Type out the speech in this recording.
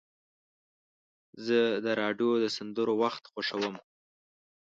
زه د راډیو د سندرو وخت خوښوم.